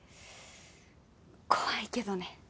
怖いけどね。